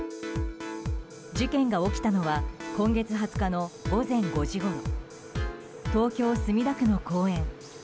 事件が起きたのは今月２０日の午前５時ごろ東京・墨田区の公園。